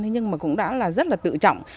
nhưng mà cũng đã rất là tự trọng